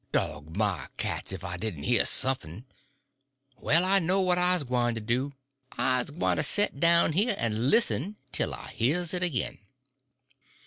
Dog my cats ef I didn' hear sumf'n. Well, I know what I's gwyne to do: I's gwyne to set down here and listen tell I hears it agin."